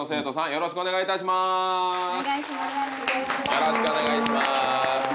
よろしくお願いします。